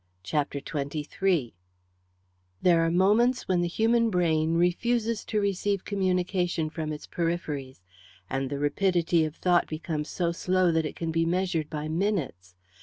CHAPTER XXIII There are moments when the human brain refuses to receive communication from its peripheries, and the rapidity of thought becomes so slow that it can be measured by minutes.